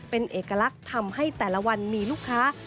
เป็นเอกลักษณ์ทำให้แต่ละวันมีลูกค้า